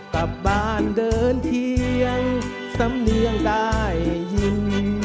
กลับบ้านเดินเคียงสำเนียงได้ยิน